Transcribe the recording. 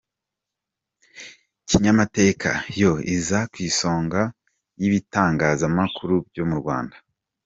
Kinyamateka yo iza ku isonga y’ibitangazamakuru byo mu Rwanda.